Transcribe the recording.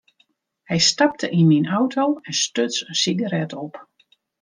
Hy stapte yn myn auto en stuts in sigaret op.